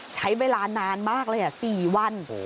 ใช้เวลานานมากเลย๔วัน